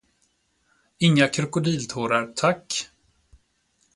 Inga krokodiltårar, tack!